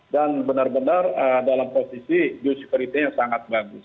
dan benar benar dalam posisi geosecurity yang sangat bagus